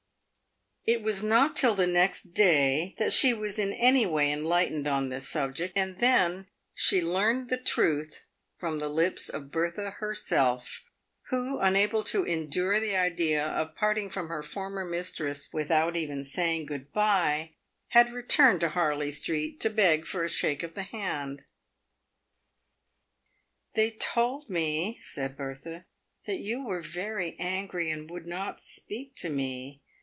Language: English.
It was not till the next day that she was in any way enlightened on this subject, and then she learned the truth from the lips of Bertha herself, who, unable to endure the idea of parting from her former mistress without even saying good by, had returned to Harley street to beg for a shake of the hand. " They told me," said Bertha, " that you were very angry, and would not speak to me.